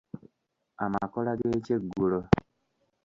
Amakola g’ekyeggulo.